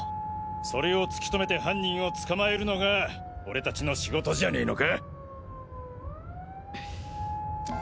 それをつきとめて犯人を捕まえるのが俺たちの仕事じゃねぇのか？